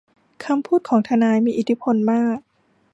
คำพูดของทนายมีอิทธิพลมาก